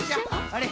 あれ？